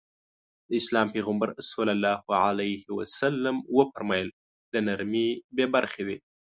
د اسلام پيغمبر ص وفرمايل له نرمي بې برخې وي.